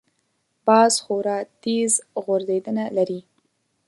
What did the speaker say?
باز خورا تېز غورځېدنه لري